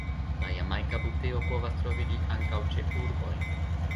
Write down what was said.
La Jamajka buteo povas troviĝi ankaŭ ĉe urboj.